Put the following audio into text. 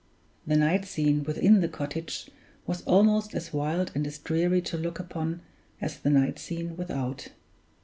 The night scene within the cottage was almost as wild and as dreary to look upon as the night scene without.